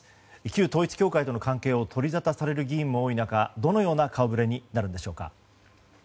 旧統一教会との関係を取りざたされる議員も多い中どのような顔ぶれになるんでしょうか。